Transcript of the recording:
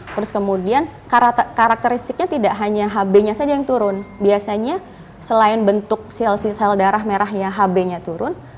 terus kemudian karakteristiknya tidak hanya hb nya saja yang turun biasanya selain bentuk sel sel darah merahnya hb nya turun